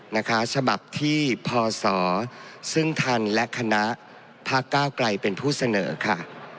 นะคะฉบับที่พศซึ่งท่านและคณะพักก้าวไกลเป็นผู้เสนอค่ะ